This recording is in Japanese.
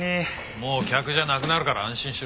もう客じゃなくなるから安心しろ。